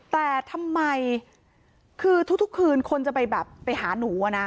แต่ทำไมคือทุกคืนคนจะไปแบบไปหาหนูอะนะ